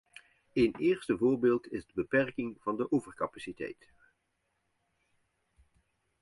Een eerste voorbeeld is de beperking van de overcapaciteit.